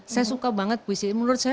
saya suka banget puisi